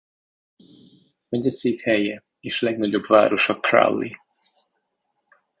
Megyeszékhelye és legnagyobb városa Crowley.